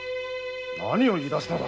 何を言い出すのだ！